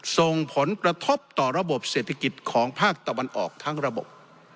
ส่งผลกระทบต่อระบบเศรษฐกิจของภาคตะวันออกทั้งระบบ